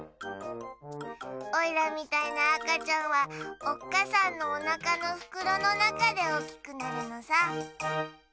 オイラみたいなあかちゃんはおっかさんのおなかのふくろのなかでおおきくなるのさ。